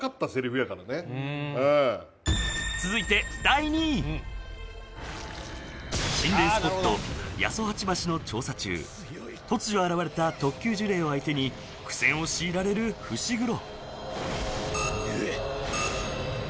確かに続いて心霊スポット八十八橋の調査中突如現れた特級呪霊を相手に苦戦を強いられる伏黒「鵺」。